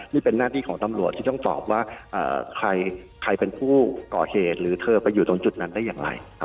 นี่เป็นหน้าที่ของตำรวจที่ต้องตอบว่าใครเป็นผู้ก่อเหตุหรือเธอไปอยู่ตรงจุดนั้นได้อย่างไร